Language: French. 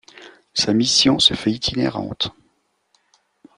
Sa mission se fait itinérante.